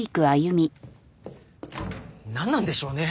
なんなんでしょうね？